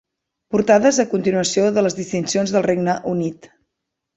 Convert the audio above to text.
Portades a continuació de les distincions del Regne Unit.